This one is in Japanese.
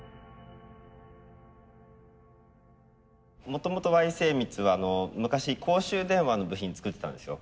もともとＹ精密は昔公衆電話の部品作ってたんですよ。